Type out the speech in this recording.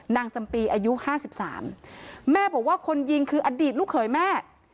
นางจำปีอายุ๕๓แม่บอกว่าคนยิงคืออดีตลูกเขยแม่